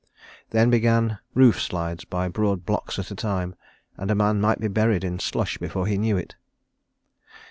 Then began roof slides by broad blocks at a time, and a man might be buried in slush before he knew it.